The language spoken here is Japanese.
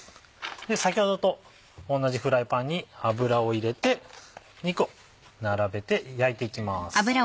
先ほどと同じフライパンに油を入れて肉を並べて焼いていきます。